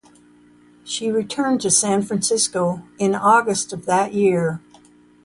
She returned to San Francisco in August of that year.